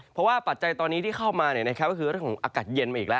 เพราะว่าปัจจัยตอนนี้ที่เข้ามาก็คือเรื่องของอากาศเย็นมาอีกแล้ว